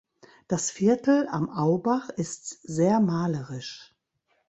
Das Viertel am Aubach ist sehr malerisch.